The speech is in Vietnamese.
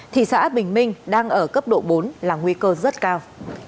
thị xã bình minh đang ở cấp độ bốn là nguy cơ rất cao